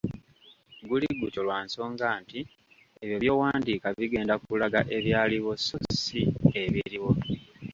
Guli gutyo lwa nsonga nti ebyo by’owandiiika bigenda kulaga ebyaliwo so si ebiriwo.